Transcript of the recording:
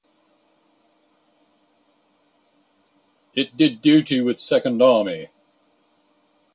It did duty with Second Army.